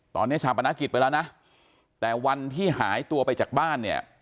ตอนนี้ชาปนกิจไปแล้วนะแต่วันที่หายตัวไปจากบ้านเนี่ย